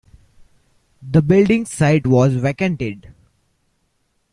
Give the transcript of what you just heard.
The building site was vacated.